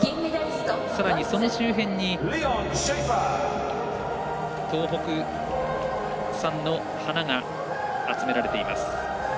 さらにその周辺に東北産の花が集められています。